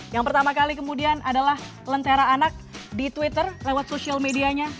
yang pertama kali kemudian adalah lentera anak di twitter lewat social medianya